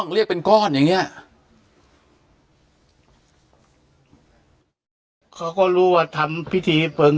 อรปตอก็ได้ไปร่วมพิธีอยู่